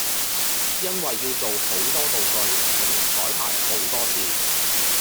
因為要做好多道具同彩排好多次